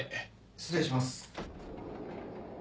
・失礼します